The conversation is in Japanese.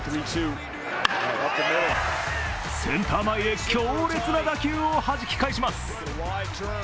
センター前へ強烈な打球をはじき返します。